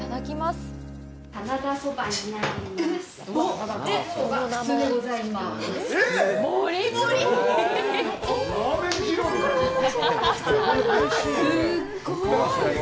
すっごい！